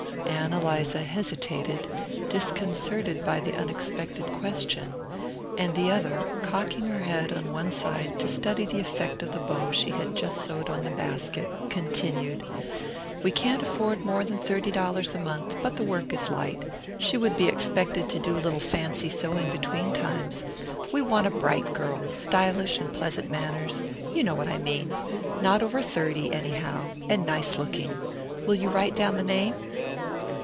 Ann Eliza hesitated, disconcerted by the unexpected question; and the other, cocking her head on one side to study the effect of the bow she had just sewed on the basket, continued: "We can't afford more than thirty dollars a month, but the work is light. She would be expected to do a little fancy sewing between times. We want a bright girl: stylish, and pleasant manners. You know what I mean. Not over thirty, anyhow; and nice looking. Will you write down the name?"